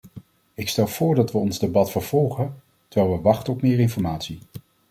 Ik stel voor dat we ons debat vervolgen, terwijl we wachten op meer informatie.